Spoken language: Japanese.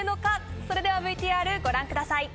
それではＶＴＲご覧ください。